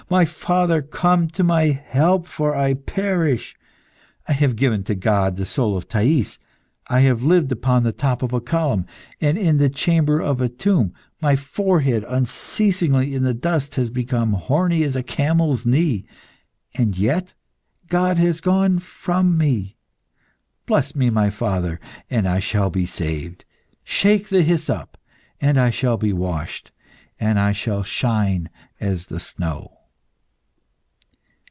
"My father! come to my help, for I perish. I have given to God the soul of Thais; I have lived upon the top of a column, and in the chamber of a tomb. My forehead, unceasingly in the dust, has become horny as a camel's knee. And yet God has gone from me. Bless me, my father, and I shall be saved; shake the hyssop, and I shall be washed, and I shall shine as the snow."